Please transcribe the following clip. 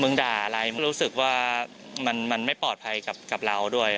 ด่าอะไรมึงรู้สึกว่ามันไม่ปลอดภัยกับเราด้วย